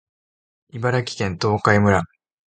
茨城県東海村